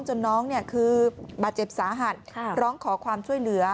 น้องคือบาดเจ็บสาหัสร้องขอความช่วยเหลือ